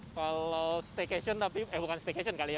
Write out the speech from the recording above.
kalau staycation tapi eh bukan staycation kali ya